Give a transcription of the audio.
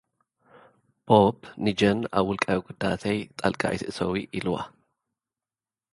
ቦብ፡ ንጄን ኣብ ውልቃዊ ጉዳያተይ ጣልቃ ኣይትእትዊ ኢልዋ።